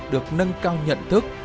được nâng cao nhận thức